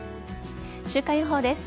週間予報です。